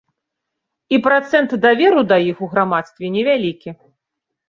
І працэнт даверу да іх у грамадстве невялікі.